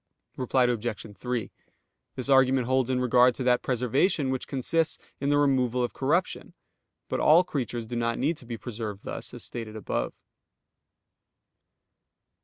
_ Reply Obj. 3: This argument holds in regard to that preservation which consists in the removal of corruption: but all creatures do not need to be preserved thus, as stated above.